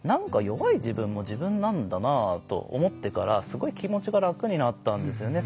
弱い自分も自分なんだなと思ってからすごい気持ちが楽になったんですよね。